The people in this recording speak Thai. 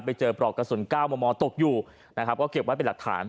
ปลอกกระสุน๙มมตกอยู่นะครับก็เก็บไว้เป็นหลักฐาน